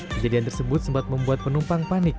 kejadian tersebut sempat membuat penumpang panik